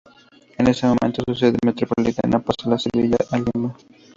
En ese momento su sede metropolitana pasa de Sevilla a Lima.